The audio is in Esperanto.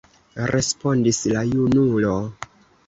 respondis la junulo.